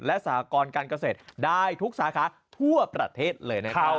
และสหกรการเกษตรได้ทุกสาขาทั่วประเทศเลยนะครับ